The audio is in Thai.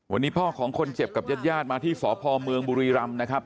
วันนี้พ่อของคนเจ็บกับญาติญาติมาที่สพเมืองบุรีรำนะครับ